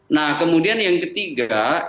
nah kemudian yang ketiga itu soal bagaimana misalnya